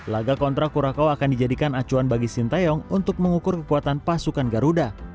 laga kontra kuracao akan dijadikan acuan bagi sinteyong untuk mengukur kekuatan pasukan garuda